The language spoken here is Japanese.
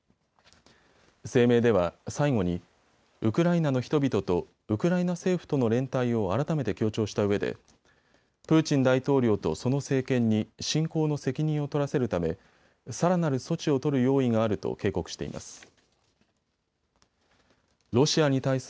声明では最後にウクライナの人々とウクライナ政府との連帯を改めて強調したうえでプーチン大統領とその政権に侵攻の責任を取らせるためさらなる措置を取る用意があると警告しています。